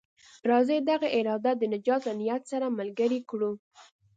راځئ دغه اراده د نجات له نيت سره ملګرې کړو.